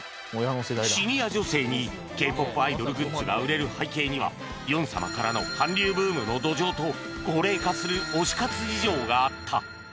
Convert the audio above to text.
シニア女性に Ｋ−ＰＯＰ アイドルグッズが売れる背景にはヨン様からの韓流ブームの土壌と高齢化する推し活事情があった